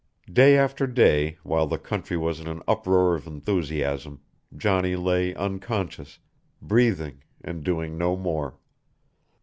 Day after day, while the country was in an uproar of enthusiasm, Johnny lay unconscious, breathing, and doing no more.